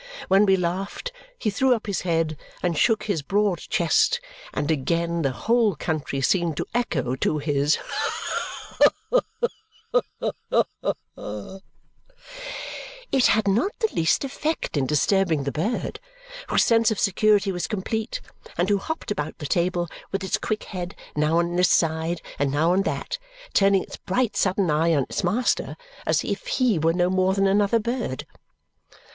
When we laughed, he threw up his head and shook his broad chest, and again the whole country seemed to echo to his "Ha, ha, ha!" It had not the least effect in disturbing the bird, whose sense of security was complete and who hopped about the table with its quick head now on this side and now on that, turning its bright sudden eye on its master as if he were no more than another bird.